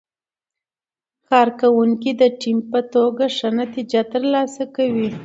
کارکوونکي د ټیم په توګه ښه نتیجه ترلاسه کوي